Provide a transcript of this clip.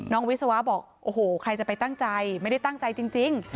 วิศวะบอกโอ้โหใครจะไปตั้งใจไม่ได้ตั้งใจจริง